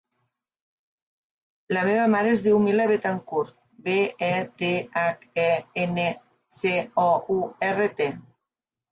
La meva mare es diu Mila Bethencourt: be, e, te, hac, e, ena, ce, o, u, erra, te.